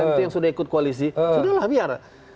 itu yang sudah ikut koalisi sudahlah biar